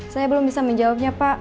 saya belum bisa menjawabnya pak